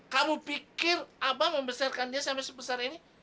kamu pikir apa membesarkan dia sampai sebesar ini